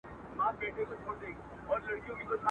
که دي چیري په هنیداره کي سړی وو تېرایستلی !.